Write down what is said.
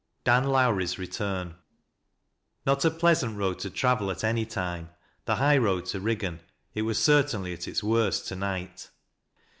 DAN LOYTEtnsS BBTUEN Not a pleasar.t road to travel at any time — the bigi read to Kiggan, it was certainly at its worst to night.